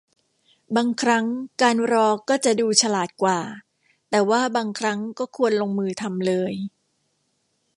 บางครั้งการรอก็จะดูฉลาดกว่า แต่ว่าบางครั้งก็ควรลงมือทำเลย